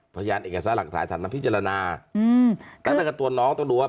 พยานเอกสารหลักถ่ายฐานพิจารณาอืมตั้งแต่กับตัวน้องต้องดูว่า